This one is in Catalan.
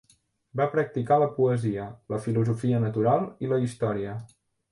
Va practicar la poesia, la filosofia natural i la història.